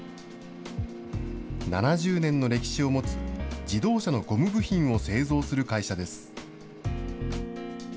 ７０年の歴史を持つ自動車のゴム部品を製造する会社です。